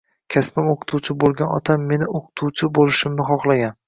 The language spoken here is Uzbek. Kasbim o'qituvchi bo'lgan otam meni o'qituvchi bo'lishimni xohlagan